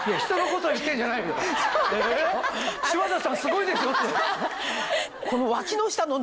すごいですよって。